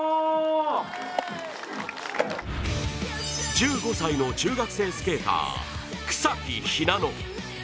１５歳の中学生スケーター草木ひなの。